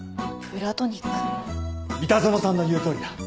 三田園さんの言うとおりだ。